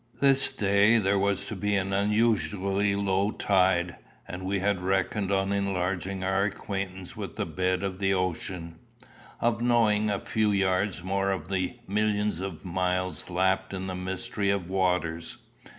This day there was to be an unusually low tide, and we had reckoned on enlarging our acquaintance with the bed of the ocean of knowing a few yards more of the millions of miles lapt in the mystery of waters.